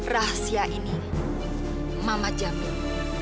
rahasia ini mama jamin